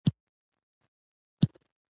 زه څه کولی شم؟